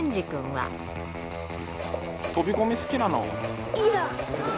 飛び込み好きなの？